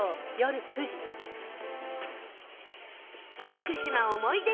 福島思い出